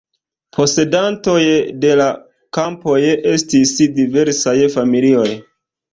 Posedantoj de la kampoj estis diversaj familioj.